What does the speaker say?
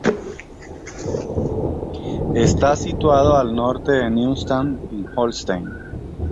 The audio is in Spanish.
Está situado al norte de Neustadt en Holstein.